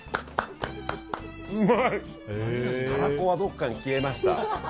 たらこは、どっかに消えました。